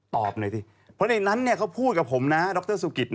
หน่อยสิเพราะในนั้นเขาพูดกับผมนะดรสุกิต